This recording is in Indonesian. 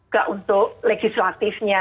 gak untuk legislatifnya